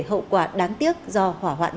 hậu quả đáng tiếc do hỏa hoạn gây ra